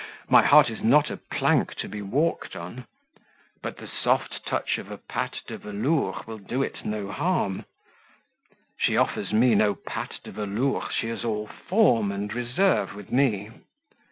My heart is not a plank to be walked on." "But the soft touch of a patte de velours will do it no harm." "She offers me no patte de velours; she is all form and reserve with me."